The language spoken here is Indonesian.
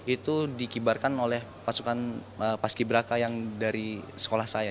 itu dikibarkan oleh pasukan paski braka yang dari sekolah saya